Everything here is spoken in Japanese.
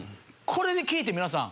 これ聞いて皆さん。